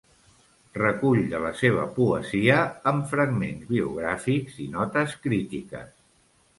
Recull de la seva poesia amb fragments biogràfics i notes crítiques.